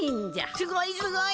すごいすごい！